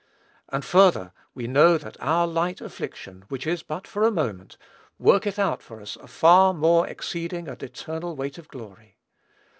And further, we know that "our light affliction, which is but for a moment, worketh out for us a far more exceeding and eternal weight of glory."